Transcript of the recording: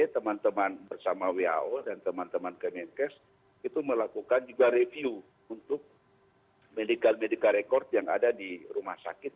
teman teman kemenkes itu melakukan juga review untuk medical medical record yang ada di rumah sakit